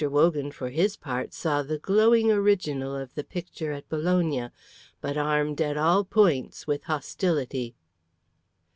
Wogan, for his part, saw the glowing original of the picture at Bologna, but armed at all points with hostility.